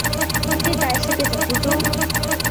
霍诺留自毁长城的举动给西哥特人带来了机会。